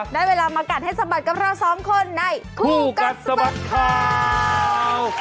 ได้เวลามากัดให้สะบัดกับเราสองคนในคู่กัดสะบัดข่าว